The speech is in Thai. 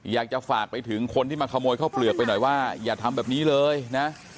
อยากจะฝากไปถึงคนที่มาขโมยข้าวเปลือกไปหน่อยว่าอย่าทำแบบนี้เลยนะ